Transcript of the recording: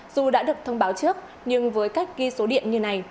dù đã được thông báo trước nhưng với cách ghi số điện như này